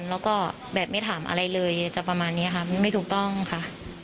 แล้วก็แบบไม่ถามอะไรเลยจะประมาณนี้ค่ะไม่ถูกต้องค่ะ